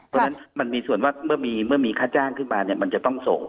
เพราะฉะนั้นมันมีส่วนว่าเมื่อมีค่าจ้างขึ้นมามันจะต้องส่ง